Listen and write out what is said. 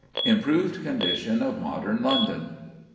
IMPROVED CONDITION OF MODERN LONDON.